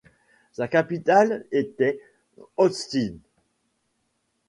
Sa capitale était Olsztyn.